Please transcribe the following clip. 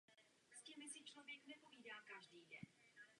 Zámek byl vyhlášen kulturní nemovitou památkou.